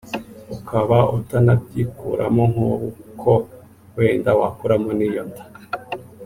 ukaba utanabyikuramo nk’uko wenda wakuramo n’iyo nda